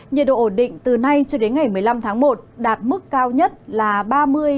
nhiệt độ ổn định từ nay cho đến ngày một mươi năm tháng một đạt mức cao nhất là ba mươi đến ba mươi ba độ có nơi cao hơn